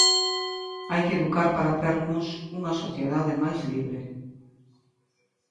Hai que educar para termos unha sociedade máis libre.